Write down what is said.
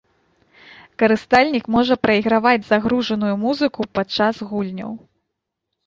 Карыстальнік можа прайграваць загружаную музыку падчас гульняў.